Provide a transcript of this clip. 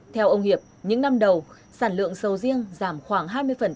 theo ông hiệp những năm đầu sản lượng sầu riêng giảm khoảng hai mươi